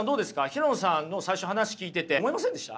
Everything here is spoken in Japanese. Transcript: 平野さんの最初話聞いてて思いませんでした？